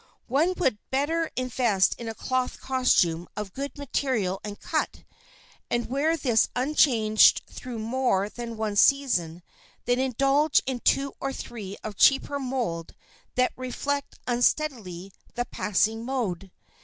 One would better invest in a cloth costume of good material and cut, and wear this unchanged through more than one season than indulge in two or three of cheaper mold that reflect unsteadily the passing mode.